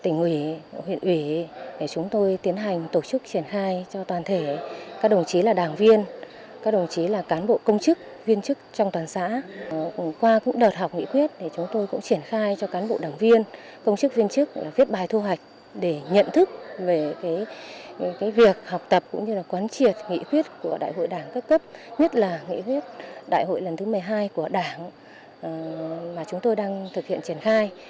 nghĩa quyết là nghị quyết đại hội lần thứ một mươi hai của đảng mà chúng tôi đang thực hiện triển khai